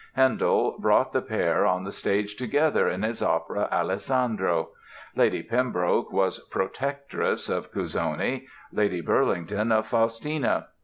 Handel brought the pair on the stage together in his opera "Alessandro". Lady Pembroke was "protectress" of Cuzzoni, Lady Burlington of Faustina.